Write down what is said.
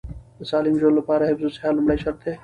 د سالم ژوند لپاره حفظ الصحه لومړی شرط دی.